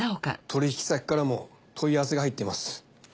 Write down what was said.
取引先からも問い合わせが入っています。